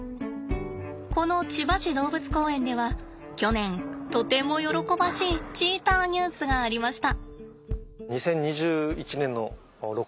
この千葉市動物公園では去年とても喜ばしいチーターニュースがありました。